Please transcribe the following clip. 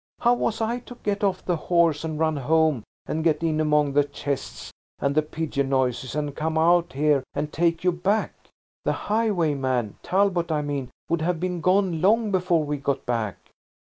How was I to get off the horse and run home and get in among the chests and the pigeon noises and come out here and take you back? The highwayman–Talbot, I mean–would have been gone long before we got back."